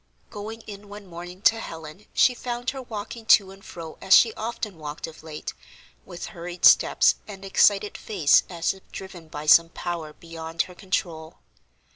Going in one morning to Helen she found her walking to and fro as she often walked of late, with hurried steps and excited face as if driven by some power beyond her control.